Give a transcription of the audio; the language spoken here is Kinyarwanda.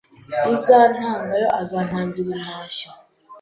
Ngo uzantangayo azantangire intashyo